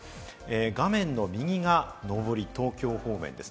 画面の右が上り、東京方面です。